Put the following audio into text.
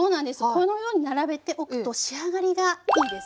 このように並べておくと仕上がりがいいですね。